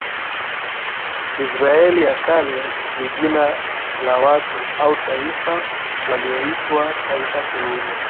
Israeli ya Kale ni jina la watu au taifa walioitwa taifa teule